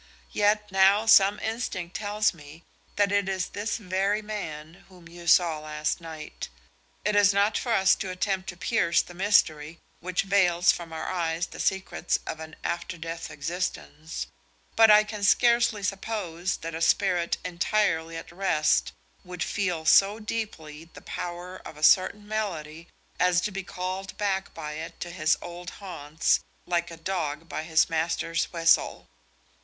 Yet now some instinct tells me that it is this very man whom you saw last night. It is not for us to attempt to pierce the mystery which veils from our eyes the secrets of an after death existence; but I can scarcely suppose that a spirit entirely at rest would feel so deeply the power of a certain melody as to be called back by it to his old haunts like a dog by his master's whistle.